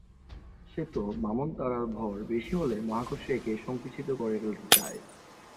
শ্বেত বামন তারার ভর বেশি হলে মহাকর্ষ একে সংকুচিত করে ফেলতে চায়।